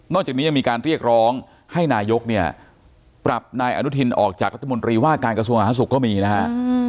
จากนี้ยังมีการเรียกร้องให้นายกเนี่ยปรับนายอนุทินออกจากรัฐมนตรีว่าการกระทรวงอาหารสุขก็มีนะฮะ